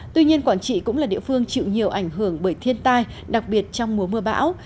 tuy nhiên quảng trị cũng là địa phương chịu nhiều ảnh hưởng bởi thiên tai đặc biệt trong mùa mưa bão